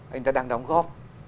anh ta đang đóng góp